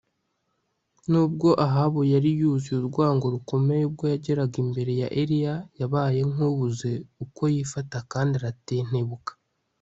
Nubwo Ahabu yari yuzuye urwango rukomeye ubwo yageraga imbere ya Eliya yabaye nkubuze uko yifata kandi aratentebuka